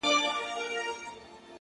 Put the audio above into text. شاعري سمه ده چي ته غواړې ـ